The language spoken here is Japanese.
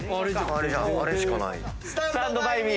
あれしかないよ。